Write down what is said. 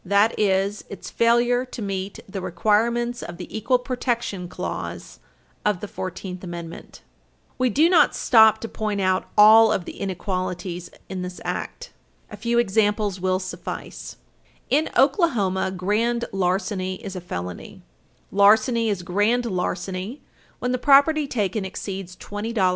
That is its failure to meet the requirements of the equal protection clause of the Fourteenth Amendment. We do not stop to point out all of the inequalities in this Act. A few examples will suffice. In Oklahoma, grand larceny is a felony. Okla.Stats.Ann. Tit. 21, §§ 1705, 5. Larceny is grand larceny when the property taken exceeds $20 in value.